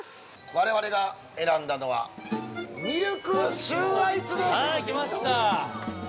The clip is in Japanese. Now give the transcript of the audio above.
我々が選んだのはみるくシューアイスですはい来ました